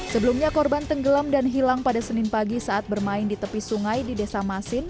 sebelumnya korban tenggelam dan hilang pada senin pagi saat bermain di tepi sungai di desa masin